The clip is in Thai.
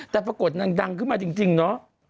แต่ปรากฏนางดังขึ้นมาจริงเนาะ